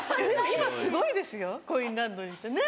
今すごいですよコインランドリーってね。